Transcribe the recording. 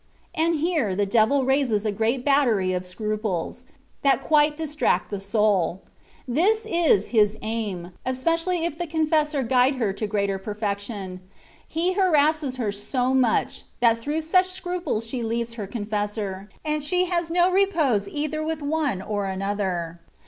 And here the de\al raises a great battery of scruples, that quite distract the soul: this is his aim, especially if the confessor guide her to greater perfection ; he harasses her so much, that through such scruples she leaves her confessor, and she has no repose either with one or another.